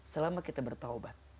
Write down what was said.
selama kita bertobat